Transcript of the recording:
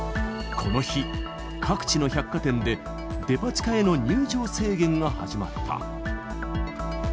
この日、各地の百貨店で、デパ地下への入場制限が始まった。